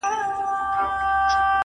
د کلي سيند راته هغه لنده خيسته راوړې,